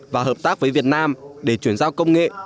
và hợp tác với việt nam để chuyển giao công nghệ